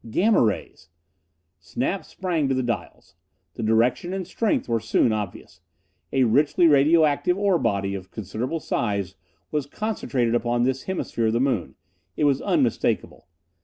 Gamma rays! Snap sprang to the dials. The direction and strength were soon obvious. A richly radio active ore body, of considerable size, was concentrated upon this hemisphere of the moon! It was unmistakable.